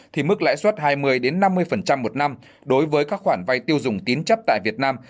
thì mức lãi suất hai mươi năm mươi một năm đối với các khoản vay tiêu dùng tín chấp tại việt nam